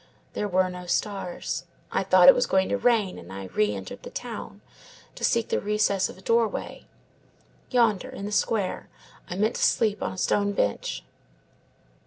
There were no stars. I thought it was going to rain, and I re entered the town, to seek the recess of a doorway. Yonder, in the square, I meant to sleep on a stone bench.